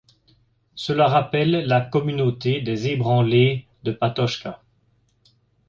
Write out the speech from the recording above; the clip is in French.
Cela rappelle la communauté des ébranlés de Patočka.